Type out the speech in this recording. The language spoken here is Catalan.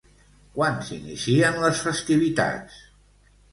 Quan s'inicien les festivitats?